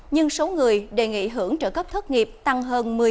nhưng số người đề nghị hưởng trợ cấp thất nghiệp tăng hơn